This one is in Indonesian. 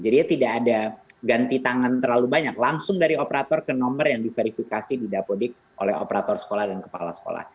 jadi tidak ada ganti tangan terlalu banyak langsung dari operator ke nomor yang diverifikasi di dapodik oleh operator sekolah dan kepala sekolah